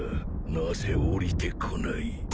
なぜおりてこない？